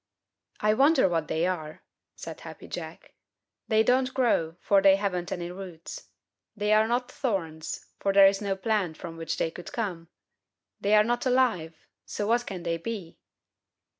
"I wonder what they are," said Happy Jack. "They don't grow, for they haven't any roots. They are not thorns, for there is no plant from which they could come. They are not alive, so what can they be?"